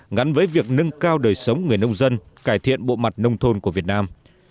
ngắn với việc nâng cao đời sống người nông dân cải thiện bộ mặt nông thôn của việt nam